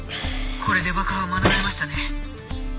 これで爆破は免れましたね。